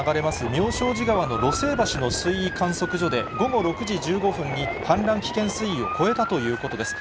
妙正寺川のろせい橋の水位観測所で、午後６時１５分に、氾濫危険水位を越えたということです。